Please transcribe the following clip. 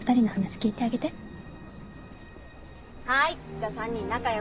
じゃあ３人仲良く。